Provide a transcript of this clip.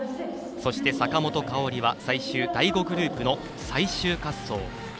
そして、坂本花織は最終第５グループの最終滑走。